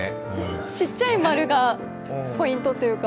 ちっちゃい丸がポイントというか。